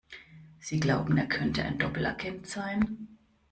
Sie glauben, er könnte ein Doppelagent sein?